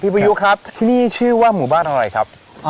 พี่พายุครับที่นี่ชื่อว่าหมู่บ้านเท่าไรครับ